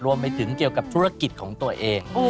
รวมไปถึงเกี่ยวกับธุรกิจของตัวเอง